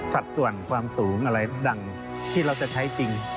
สัดส่วนความสูงอะไรดังที่เราจะใช้จริง